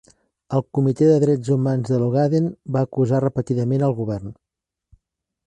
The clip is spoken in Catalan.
El Comitè de Drets Humans de l'Ogaden va acusar repetidament al govern.